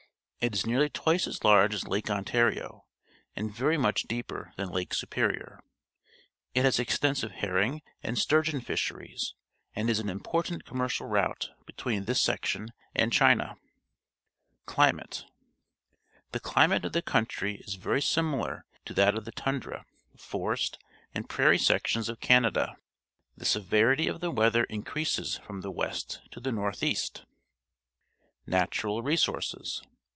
It is nearly twice as large as Lake Ontario and very much deeper than Lake Superioi . It has extensive herring and sturgeon fish eries and is an important commercial route between this section and Cliina. Climate. — The climate of the country is very similar to that of the tundra, forest, and prairie sections of Canada. The severity of the winter increa.ses from the west to the north east. Natural Resources.